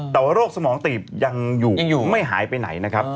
แต่ว่าโรคสมองตีบยังอยู่ไม่หายไปไหนนะครับ